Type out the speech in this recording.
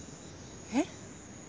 えっ？